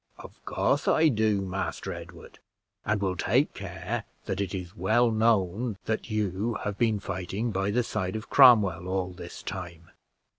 "Of course I do, Master Edward, and will take care that it is well known that you have been fighting by the side of Cromwell all this time.